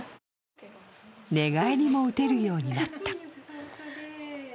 寝返りも打てるようになった。